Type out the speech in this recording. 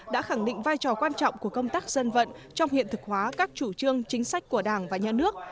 đã khẳng định vai trò quan trọng của công tác dân vận trong hiện thực hóa các chủ trương chính sách của đảng và nhà nước